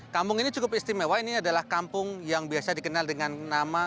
kampung ini cukup istimewa ini adalah kampung yang biasa dikenal dengan nama